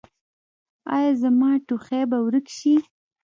ایا زما ټوخی به ورک شي؟